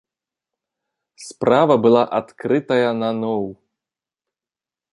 Справа была адкрытая наноў.